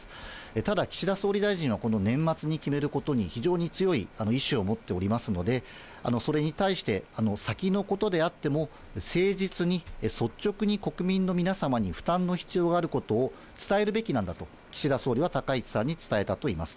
ただ、岸田総理大臣はこの年末に決めることに非常に強い意思を持っておりますので、それに対して、先のことであっても誠実に、率直に国民の皆様に負担の必要があることを伝えるべきなんだと、岸田総理は高市さんに伝えたといいます。